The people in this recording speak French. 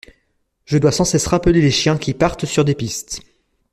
Je dois sans cesse rappeler les chiens qui partent sur des pistes.